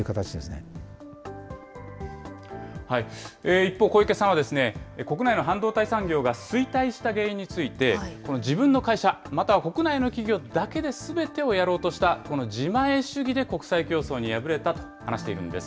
一方、小池さんは、国内の半導体産業が衰退した原因について、この自分の会社、または国内の企業だけですべてをやろうとした自前主義で国際競争に敗れたと話しているんです。